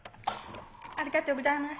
ありがとうございます」。